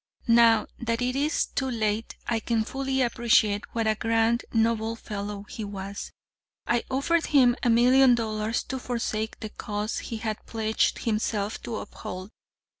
"'Now, that it is too late, I can fully appreciate what a grand, noble fellow he was. I offered him a million dollars to forsake the cause he had pledged himself to uphold.